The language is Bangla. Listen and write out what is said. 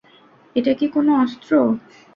এটা কি কোন অস্ত্র?